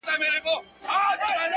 چي د صبر شراب وڅيښې ويده سه ـ